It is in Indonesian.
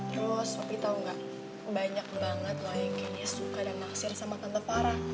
dan terus papi tau gak banyak banget lah yang kayaknya suka dan maksir sama tante farah